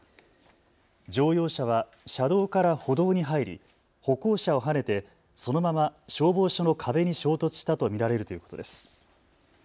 乗用車は車道から歩道に入り歩行者をはねてそのまま消防署の壁に衝突したと見られるということです。